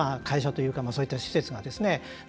会社というかそういった施設がですね。